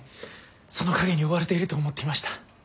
その影に追われていると思っていました。